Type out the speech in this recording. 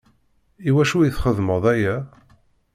I wacu i txedmeḍ aya?